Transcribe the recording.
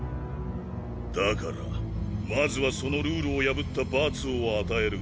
だからまずはそのルールを破った罰を与える。